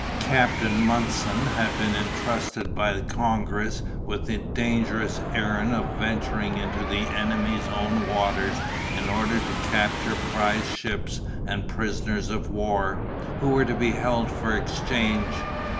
Captain Munson had been intrusted by Congress with the dangerous errand of venturing into the enemy's own waters in order to capture prize ships and prisoners of war, who were to be held for exchange.